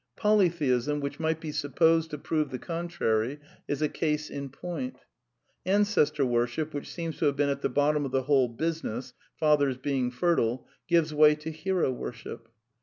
Polytheism, which might be supposed to prove the con trary, is a case in point. Ancestor worship, which seems to have been at the bottom of the whole business (fathers being fertile), gives way to hero worship.